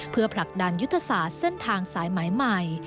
เพื่อผลักดันยุทธศาสตร์เส้นทางสายไหมใหม่